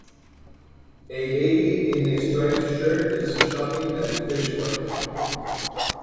A lady in a striped shirt is shopping at a fish market.